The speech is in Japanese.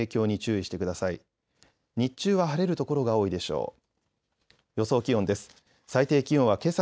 日中は晴れる所が多いでしょう。